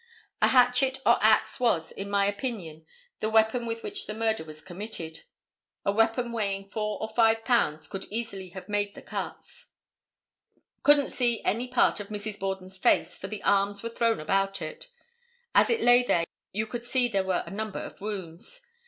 A hatchet or axe was, in my opinion, the weapon with which the murder was committed. A weapon weighing four or five pounds could easily have made the cuts." [Illustration: OFFICER A. E. CHACE.] "Couldn't see any part of Mrs. Borden's face, for the arms were thrown about it. As it lay there you could see there were a number of wounds.